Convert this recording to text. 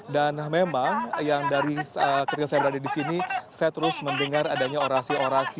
dan memang ketika saya berada di sini saya terus mendengar adanya orasi orasi